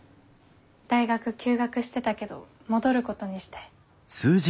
大学休学してたけど戻ることにして。